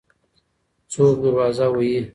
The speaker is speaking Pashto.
څوک دروازه وهي؟